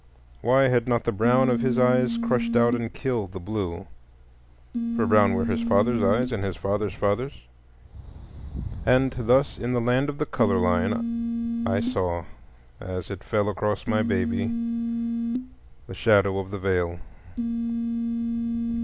Why had not the brown of his eyes crushed out and killed the blue?—for brown were his father's eyes, and his father's father's. And thus in the Land of the Color line I saw, as it fell across my baby, the shadow of the Veil.